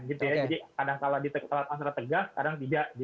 jadi kadang kadang di telat telat tegak kadang tidak